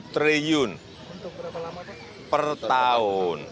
satu tujuh triliun per tahun